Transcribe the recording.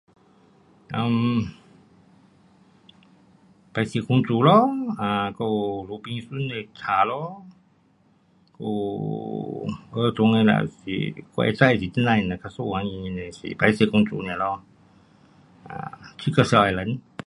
um 白雪公主咯，还有米粉的书咯 [unintelligible] 儿童的书 um 我有知道的是白雪公主，七个小矮人。